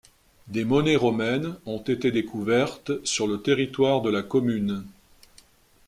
Des monnaies romaines ont été découvertes sur le territoire de la commune.